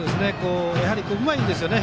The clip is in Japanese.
やはりうまいんですね。